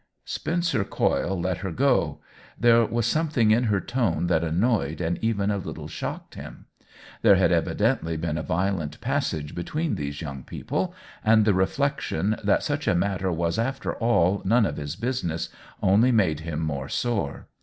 Spencer Coyle let her go ; there was something in her tone that annoyed and even a little shocked him. There had evi dently been a violent passage between these young people, and the reflection that such a matter was, after all, none of his business only made him more sore.